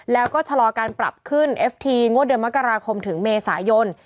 แล้วก็ชะลอการปรับขึ้นเอฟทีงวดเดือนมกราคมถึงเมษายน